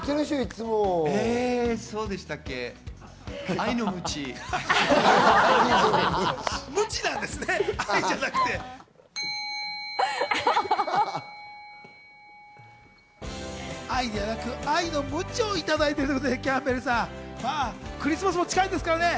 愛ではなく愛のムチをいただいているということでキャンベルさん、クリスマスも近いですからね。